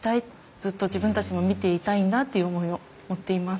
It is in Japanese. ずっと自分たちも見ていたいんだっていう思いを持っています。